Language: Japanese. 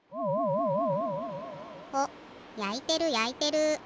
やいてるやいてる。